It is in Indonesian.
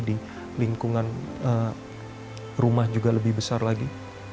di lingkungan rumah juga lebih besar lagi